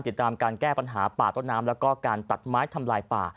ติดตามการแก้ปัญหาป่าต้นน้ำแล้วก็การตัดไม้ทำลายป่า